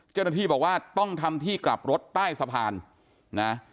เจ้าหน้าที่บอกว่าต้องทำที่กลับรถใต้สะพานนะ